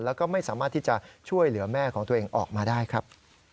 แล้วก็ไม่สามารถที่จะช่วยเหลือแม่ของตัวเองออกมาได้ครับ